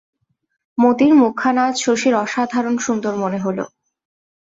মতির মুখখানা আজ শশীর অসাধারণ সুন্দর মনে হল।